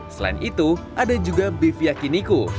selain itu ada juga beef yaki niku